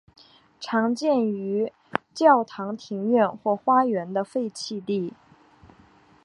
常见于教堂庭院或花园的废弃地。